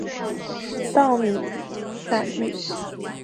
是稻米集散地。